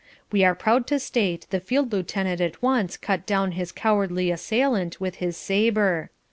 We are proud to state the Field Lieutenant at once cut down his cowardly assailant with his saber.